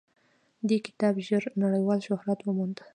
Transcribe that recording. دې کتاب ژر نړیوال شهرت وموند.